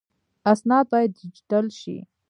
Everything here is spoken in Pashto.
اسناد باید ډیجیټل شي